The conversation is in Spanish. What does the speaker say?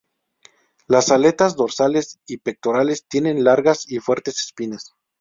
Las aletas dorsales y pectorales tienen largas y fuertes espinas.